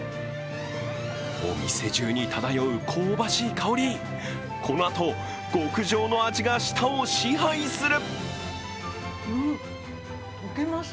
お店中に漂う香ばしい香り、このあと、極上の味が舌を支配する！